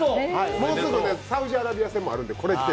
もうすぐサウジアラビア戦もあるので、これを着て。